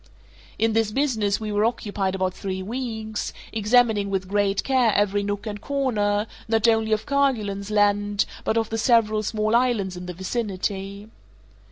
In this business we were occupied about three weeks, examining with great care every nook and corner, not only of Kerguelen's Land, but of the several small islands in the vicinity.